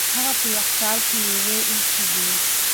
هغه په یخچال کې مېوې ایښې دي.